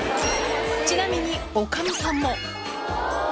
ちなみにおかみさんも。